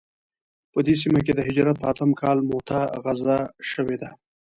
په دې سیمه کې د هجرت په اتم کال موته غزا شوې ده.